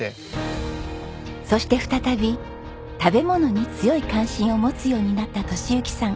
そして再び食べ物に強い関心を持つようになった敏之さん。